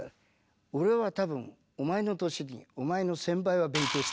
「俺は多分お前の歳にお前の１０００倍は勉強した」。